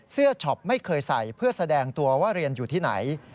ช็อปไม่เคยใส่เพื่อแสดงตัวว่าเรียนอยู่ที่ไหน